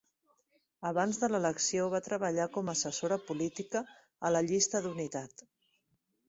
Abans de l'elecció va treballar com a assessora política a la Llista d'Unitat.